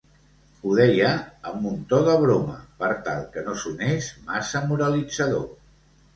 Ho deia amb un to de broma per tal que no sonés massa moralitzador.